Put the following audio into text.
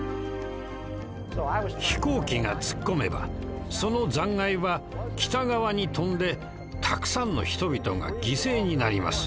飛行機が突っ込めばその残骸は北側に飛んでたくさんの人々が犠牲になります。